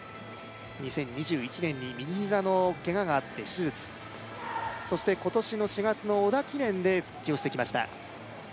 ２０２１年に右膝のケガがあって手術そして今年の４月の織田記念で復帰をしてきました